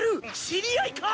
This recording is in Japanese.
知り合いか！？